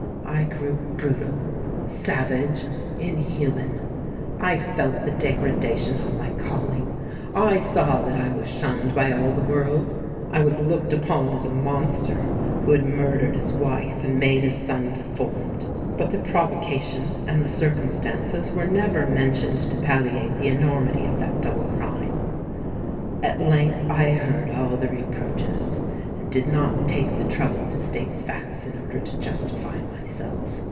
I grew brutal—savage—inhuman. I felt the degradation of my calling—I saw that I was shunned by all the world. I was looked upon as a monster who had murdered his wife and made his son deformed;—but the provocation and the circumstances were never mentioned to palliate the enormity of that double crime. At length I heard all the reproaches, and did not take the trouble to state facts in order to justify myself.